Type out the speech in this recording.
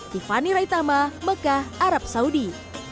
tiffany raitama mekah arab saudi